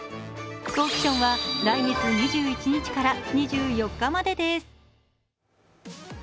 オークションは来月２１日から２４日までです。